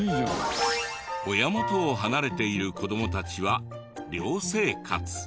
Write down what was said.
親元を離れている子どもたちは寮生活。